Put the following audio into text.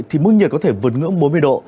thì mức nhiệt có thể vượt ngưỡng bốn mươi độ